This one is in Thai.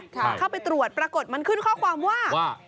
เข้าไปตรวจปรากฏมันขึ้นข้อความว่า